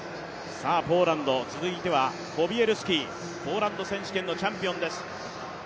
ポーランド、続いてはコビエルスキポーランド選手権のチャンピオンです。